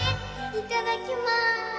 いただきます。